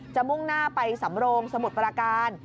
มุ่งหน้าไปสำโรงสมุทรปราการ